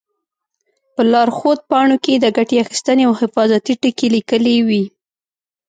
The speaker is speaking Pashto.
په لارښود پاڼو کې د ګټې اخیستنې او حفاظتي ټکي لیکلي وي.